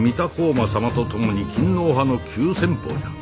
馬様と共に勤皇派の急先鋒じゃ。